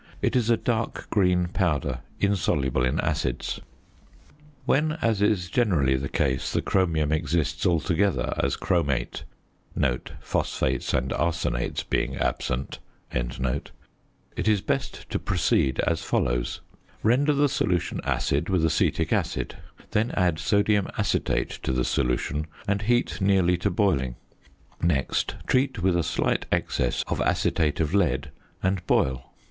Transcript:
It is a dark green powder insoluble in acids. When, as is generally the case, the chromium exists altogether as chromate (phosphates and arsenates being absent) it is best to proceed as follows: Render the solution acid with acetic acid, then add sodium acetate to the solution and heat nearly to boiling; next treat with a slight excess of acetate of lead, and boil.